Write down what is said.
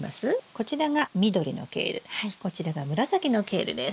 こちらが紫のケールです。